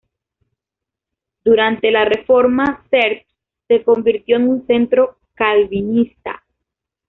Durante la Reforma Zerbst se convirtió en un centro calvinista.